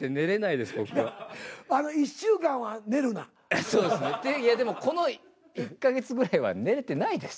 いやでもこの１か月ぐらいは寝れてないです。